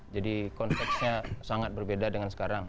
jadi konteksnya sangat berbeda dengan sekarang